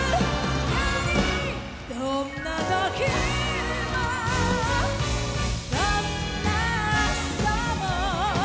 「どんな時もどんな朝も」